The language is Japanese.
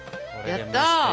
やった！